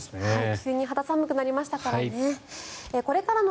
急に肌寒くなりましたからね。